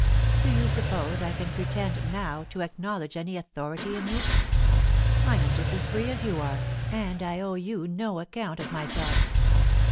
Do you suppose I can pretend, now, to acknowledge any authority in you? I am just as free as you are, and I owe you no account of myself."